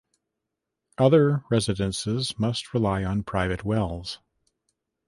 Other residences must rely on private wells.